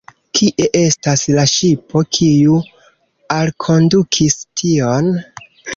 Kie estas la ŝipo, kiu alkondukis tion?